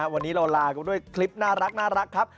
วันนี้เราลากันด้วยคลิปน่ารักครับ